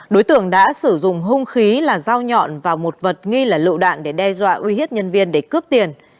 đối tượng đã sử dụng hung khí là dao nhọn và một vật nghi là lựu đạn để đe dọa uy hiếp nhân viên để cướp tiền